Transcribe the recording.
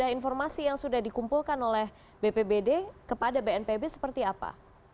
informasi yang sudah dikumpulkan oleh bpbd kepada bnpb seperti apa